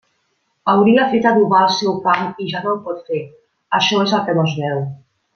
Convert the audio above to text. Hauria fet adobar el seu camp i ja no ho pot fer, això és el que no es veu.